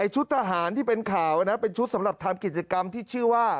ชุดทหารที่เป็นข่าวนะเป็นชุดสำหรับทำกิจกรรมที่ชื่อว่า